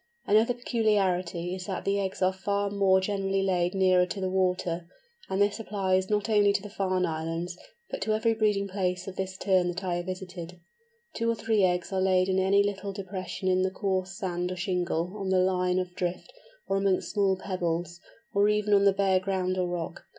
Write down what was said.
Another peculiarity is that the eggs are far more generally laid nearer to the water; and this applies not only to the Farne Islands, but to every breeding place of this Tern that I have visited. The two or three eggs are laid in any little depression in the coarse sand or shingle on the line of drift, or amongst small pebbles, or even on the bare ground or rock.